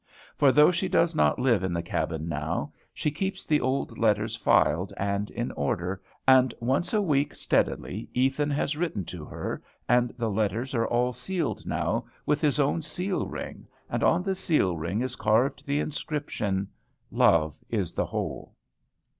For though she does not live in the cabin now, she keeps the old letters filed and in order, and once a week steadily Ethan has written to her, and the letters are all sealed now with his own seal ring, and on the seal ring is carved the inscription, "Love is the whole."